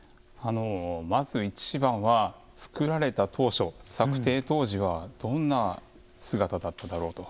まず一番は造られた当初作庭当時はどんな姿だっただろうと。